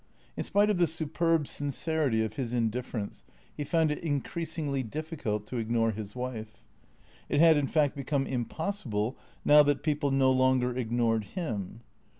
In spite of the superb sincerity of his indifference, he found it increas ingly difficult to ignore his wife. It had, in fact, become im possible now that people no longer ignored him.